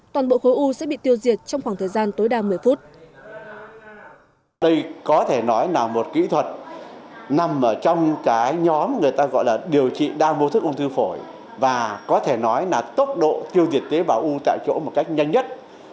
toàn bộ khối u sẽ bị tiêu diệt trong khoảng thời gian tối đa một mươi phút